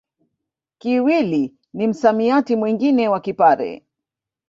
Kiwili ni msamiati mwingine wa Kipare